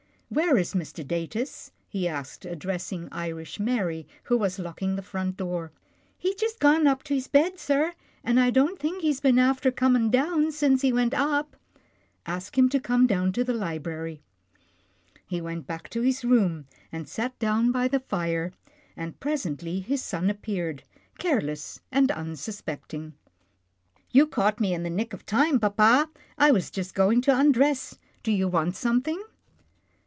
" Where is Mr. Datus ?" he asked, addressing Irish Mary who was locking the front door. " He's jist gone up to his bed, sir, an' I don't think he's been after comin' down since he went up.'* " Ask him to come to the library." He went back to his room, and sat down by the fire, and presently his son appeared, careless and unsuspecting. " You caught me in the nick of time, papa, I was just going to undress. Do you want some thing?"